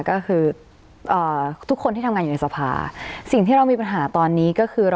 ก็คือทุกคนที่ทำงานอยู่ในสภาสิ่งที่เรามีปัญหาตอนนี้ก็คือ